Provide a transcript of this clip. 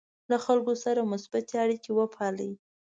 له خلکو سره مثبتې اړیکې وپالئ.